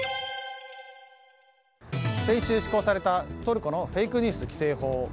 先週、施行されたトルコのフェイクニュース規制法。